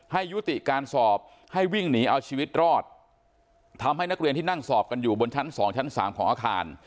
ให้ยุติการสอบให้วิ่งหนีเอาชีวิตรอดทำให้นักเรียนที่นั่งสอบกันอยู่บนชั้นสองชั้นสามของอาคาร